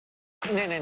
ねえねえ